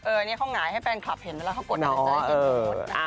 อันนี้เขาหงายให้แฟนคลับเห็นแล้วเขากดอาจจะให้เห็นอยู่